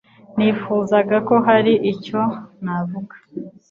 Nifuzaga ko hari icyo navuga.